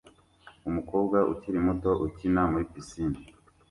Umukobwa ukiri muto ukina muri pisine